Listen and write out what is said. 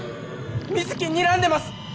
水木にらんでます！